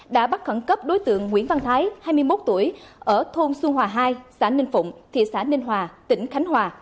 đã bắt khẩn cấp đối tượng nguyễn văn thái hai mươi một tuổi ở thôn xuân hòa hai xã ninh phụng thị xã ninh hòa tỉnh khánh hòa